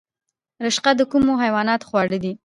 رشقه د کومو حیواناتو خواړه دي؟